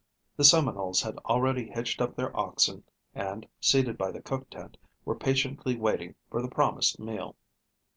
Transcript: The Seminoles had already hitched up their oxen, and, seated by the cook tent, were patiently waiting for the promised meal.